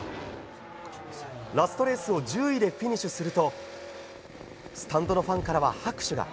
ラストレースを１０位でフィニッシュするとスタンドのファンからは拍手が。